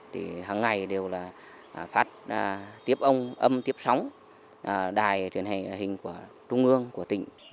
thì hằng ngày đều là phát tiếp ông âm tiếp sóng đài truyền hình của trung ương của tỉnh